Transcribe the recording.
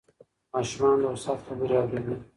ماشومان د استاد خبرې اورېدې.